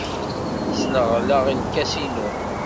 Sneɣleɣ lkas-innu.